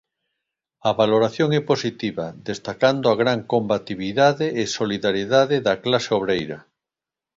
A valoración é positiva, destacando a gran combatividade e solidariedade da clase obreira.